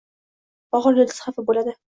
Bahor elchisi xafa boʻladi.